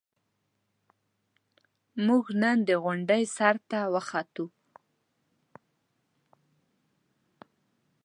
موږ نن د غونډۍ سر ته وخوتو.